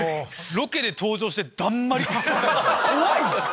ロケで登場してだんまりって怖いですよ！